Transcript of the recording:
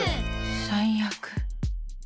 最悪。